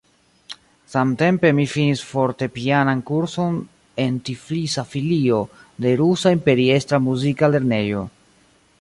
Samtempe mi finis fortepianan kurson en Tiflisa filio de "Rusa Imperiestra muzika lernejo".